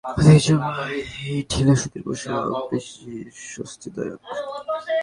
পশ্চিমের বদ্ধ পোশাক বাদ দিয়ে ঐতিহ্যবাহী ঢিলে সুতির পোশাক অনেক বেশি স্বস্তিদায়ক।